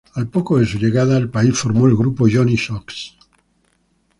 Al poco de su llegada al país formó el grupo Johny Sox.